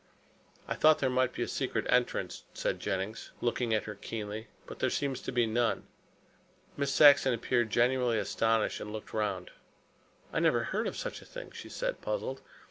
"I thought there might be a secret entrance," said Jennings, looking at her keenly, "but there seems to be none." Miss Saxon appeared genuinely astonished and looked round. "I never heard of such a thing," she said, puzzled.